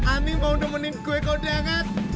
ani mau nemenin kau dengan